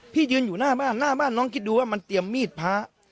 ยืนอยู่หน้าบ้านหน้าบ้านน้องคิดดูว่ามันเตรียมมีดพระ